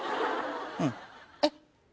うんえっ